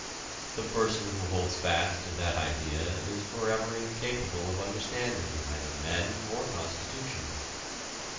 The person who holds fast to that idea is forever incapable of understanding either men or constitutions.